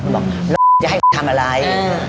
บอกจะให้ทำอะไร